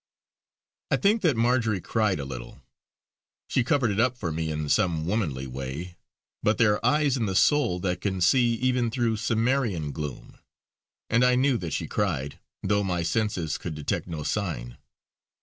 I think that Marjory cried a little. She covered it up for me in some womanly way. But there are eyes in the soul that can see even through cimmerian gloom; and I knew that she cried, though my senses could detect no sign.